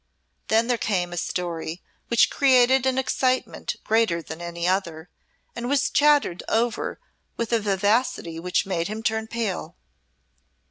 Then there came a story which created an excitement greater than any other, and was chattered over with a vivacity which made him turn pale.